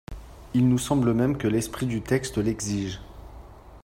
Il nous semble même que l’esprit du texte l’exige.